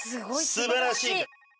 素晴らしい。